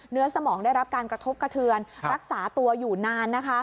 สมองได้รับการกระทบกระเทือนรักษาตัวอยู่นานนะคะ